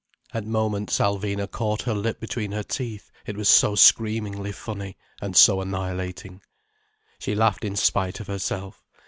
At moments Alvina caught her lip between her teeth, it was so screamingly funny, and so annihilating. She laughed in spite of herself.